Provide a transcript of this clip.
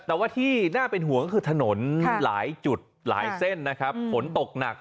แต่ว่าที่น่าเป็นห่วงก็คือถนนหลายจุดหลายเส้นนะครับฝนตกหนัก